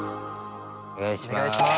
お願いします。